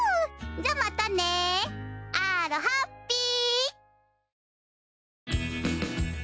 じゃまたね。アロハッピー！